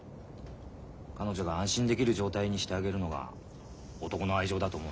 彼女が安心できる状態にしてあげるのが男の愛情だと思うよ。